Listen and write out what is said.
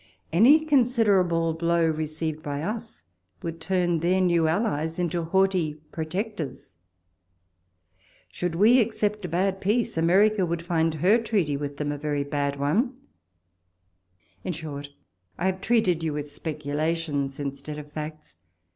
Any considerable blow received by us, would turn their new allies into haughty protectors. Should we accept a bad peace, America would find her treaty with them a very bad one : in short, I have treated you with speculations instead of facts.